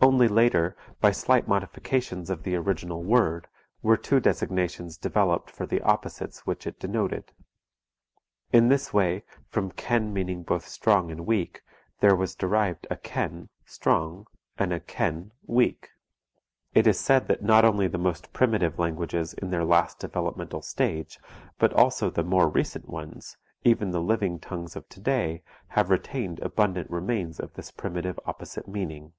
Only later, by slight modifications of the original word, were two designations developed for the opposites which it denoted. In this way, from ken meaning both strong and weak, there was derived a ken, strong, and a ken, weak. It is said that not only the most primitive languages in their last developmental stage, but also the more recent ones, even the living tongues of to day have retained abundant remains of this primitive opposite meaning.